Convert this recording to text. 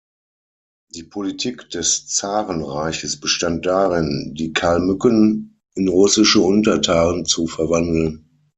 Die Politik des Zarenreiches bestand darin, die Kalmücken in russische Untertanen zu verwandeln.